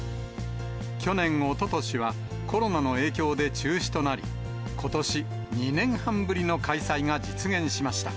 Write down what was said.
去年、おととしは、コロナの影響で中止となり、ことし、２年半ぶりの開催が実現しました。